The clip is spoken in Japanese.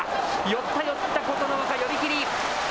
寄った寄った、琴ノ若、寄り切り。